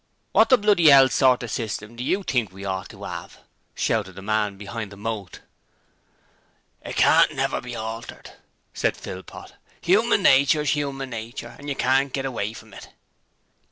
'Wot the bloody 'ell sort of a system do YOU think we ought to 'ave?' shouted the man behind the moat. 'It can't never be altered,' said Philpot. 'Human nature's human nature and you can't get away from it.'